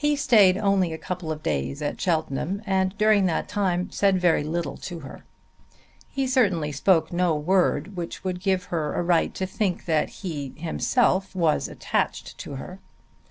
He stayed only a couple of days at Cheltenham and during that time said very little to her. He certainly spoke no word which would give her a right to think that he himself was attached to her.